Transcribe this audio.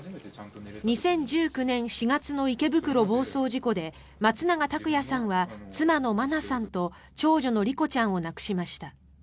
２０１９年４月の池袋暴走事故で松永拓也さんは妻の真菜さんと長女の莉子ちゃんを亡くしました。